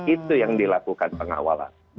itu yang dilakukan pengawalan